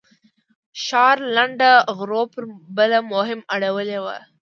ښار لنډه غرو پر بل مفهوم اړولې وه.